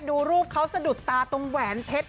ดูรูปเขาสะดุดตาตรงแหวนเพชร